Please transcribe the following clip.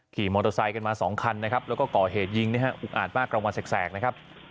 ขี่มอเตอร์ไซต์กันมา๒คันแล้วก็ก่อเหตุยิงอุกอาดมากกลางวันแสก